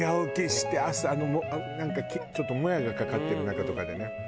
なんかちょっともやがかかってる中とかでね。